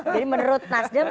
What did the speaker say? jadi menurut nasdem